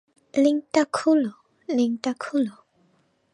লিংকটা খুলো, লিংকটা খুলো।